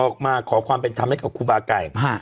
ออกมาขอความเป็นธรรมให้กับครูบาไก่